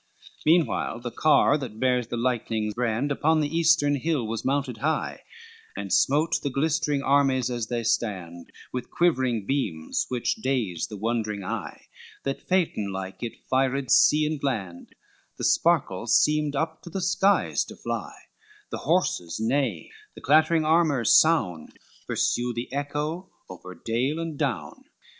LXXIII Meanwhile the car that bears the lightning brand Upon the eastern hill was mounted high, And smote the glistering armies as they stand, With quivering beams which dazed the wondering eye, That Phaeton like it fired sea and land, The sparkles seemed up to the skies to fly, The horses' neigh and clattering armors' sound Pursue the echo over dale and down.